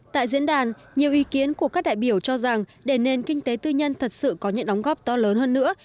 tại diễn đàn nhiều ý kiến của các đại biểu cho rằng để nền kinh tế tư nhân thật sự có những đóng góp to lớn hơn nữa